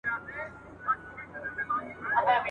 نوم یې پروت پر څلورکونجه نومیالی پکښی پیدا کړي !.